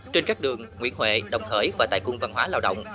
trên các đường nguyễn huệ đồng khởi và tại cung văn hóa lao động